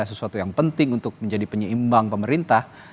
sesuatu yang penting untuk menjadi penyeimbang pemerintah